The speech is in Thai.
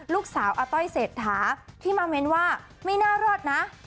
ลูกสาวอาต้อยเศรษฐาที่มาเมนต์ว่าไม่น่ารอดนะ